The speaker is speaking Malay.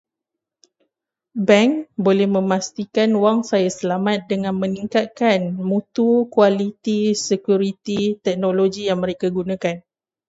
Bank boleh memastikan wang saya selamat dengan meningkatkan mutu kualiti sekuriti teknologi yang mereka gunakan.